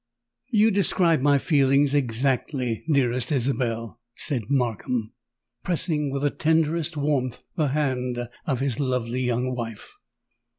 "You describe my feelings exactly, dearest Isabel," said Markham, pressing with the tenderest warmth the hand of his lovely young wife.